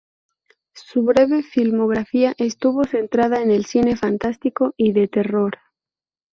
Su breve filmografía estuvo centrada en el cine fantástico y de terror.